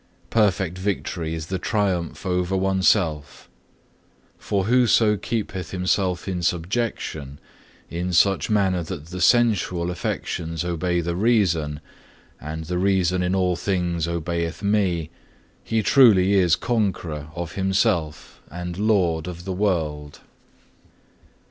Perfect victory is the triumph over oneself. For whoso keepeth himself in subjection, in such manner that the sensual affections obey the reason, and the reason in all things obeyeth Me, he truly is conqueror of himself, and lord of the world.